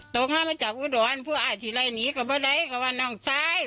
โตงฮามาจากอุดรวรพวกอาทิลายหนีก็ไม่ได้ก็ว่าน้องซ้าย